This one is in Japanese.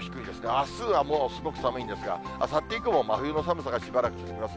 あすはもうすごく寒いんですが、あさって以降も真冬の寒さがしばらく続きます。